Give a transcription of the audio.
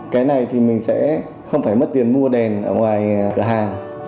cái này thì mình sẽ không phải mất tiền mua đèn ở ngoài cửa hàng